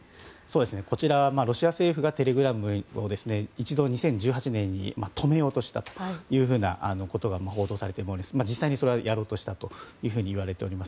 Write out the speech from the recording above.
こちらロシア政府がテレグラムを一度、２０１８年に止めようとしたということが報道されていて実際にやろうとしたといわれております。